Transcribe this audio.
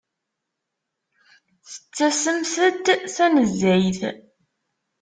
Tettasemt-d tanezzayt.